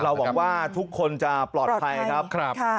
เราบอกว่าทุกคนจะปลอดภัยครับ